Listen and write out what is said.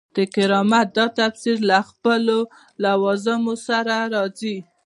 د کرامت دا تفسیر له خپلو لوازمو سره راځي.